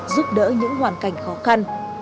giúp đỡ những hoàn cảnh khó khăn